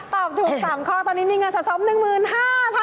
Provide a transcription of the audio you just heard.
ตอบถูก๓ข้อตอนนี้มีเงินสะสม๑๕๐๐บาท